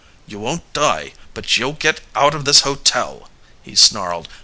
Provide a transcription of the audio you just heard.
"You won't die, but you'll get out of this hotel," he snarled.